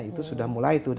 itu sudah mulai itu